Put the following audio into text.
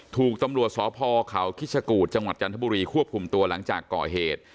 ถูกตำรวจสพเขาคิชกูธจังหวัดจันทบุรีควบคุมตัวหลังจากก่อเหตุ